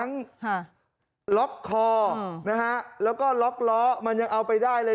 ล็อกคอนะฮะแล้วก็ล็อกล้อมันยังเอาไปได้เลย